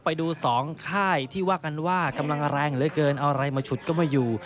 ไปดูสองค่ายที่ว่ากันว่ากำลังแรงเหลือเกินเอาอะไรมาฉุดก็ไม่อยู่